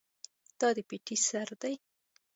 دا د پټی سر دی.